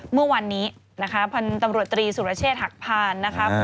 เมื่อวันนี้นะครับตำรวจตรีสุรเชษหักผ่านนะครับ